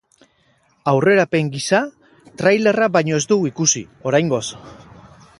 Aurrerapen gisa, trailerra baino ez dugu ikusi, oraingoz.